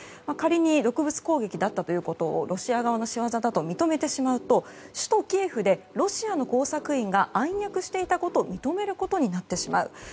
仮に毒物攻撃だったということをロシア側の仕業だと認めてしまうと、首都キエフでロシアの工作員が暗躍していたことを認めることになってしまう。